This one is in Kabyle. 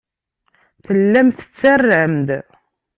Tellam tettarram-d.